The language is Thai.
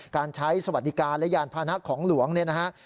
การใช้สวัสดิการและยานพานะของหลวงเนี่ยนะฮะ